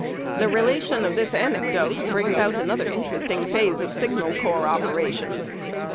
The relation of this anecdote brings out another interesting pliase of signal corps operations.